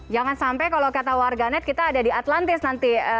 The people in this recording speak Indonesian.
jangan sampai kalau kata warganet kita ada di atlantis nanti